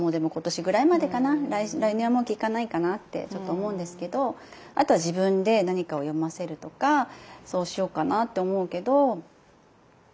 来年はもう聞かないかなってちょっと思うんですけどあとは自分で何かを読ませるとかそうしようかなって思うけど。